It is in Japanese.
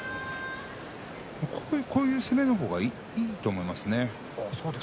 こういう攻めの方がいいと思いますね。